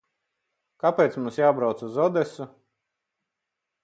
Kāpēc mums jābrauc uz Odesu?